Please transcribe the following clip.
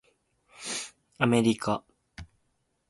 アメリカ